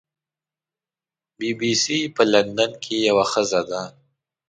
بی بي سي په لندن کې یوه ښځه ده.